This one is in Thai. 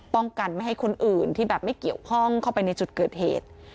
ป้องกันไม่ให้คนอื่นที่แบบไม่เกี่ยวข้องเข้าไปในจุดเกิดเหตุ